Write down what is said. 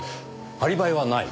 アリバイはない。